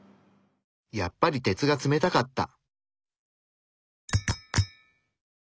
やっぱり鉄が冷たかった。